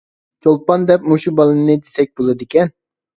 چولپان دەپ مۇشۇ بالىنى دېسە بولىدىكەن.